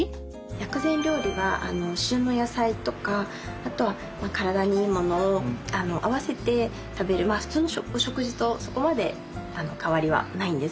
薬膳料理は旬の野菜とかあとは体にいいものを合わせて食べる普通の食事とそこまで変わりはないんです実は。